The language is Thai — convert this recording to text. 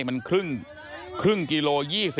มันครึ่งกิโล๒๐